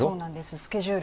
スケジュール